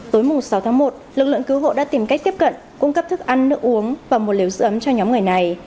tối sáu tháng một lực lượng cứu hộ đã tìm cách tiếp cận cung cấp thức ăn nước uống và một liều dưỡng ấm cho nhóm người này